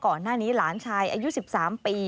ก่อนหน้านี้หลานชายอายุ๑๓ปี